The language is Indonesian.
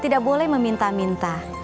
tidak boleh meminta minta